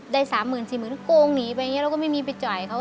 ได้สามหมื่นสี่หมื่นโกงหนีไปอย่างนี้แล้วก็ไม่มีไปจ่ายเขา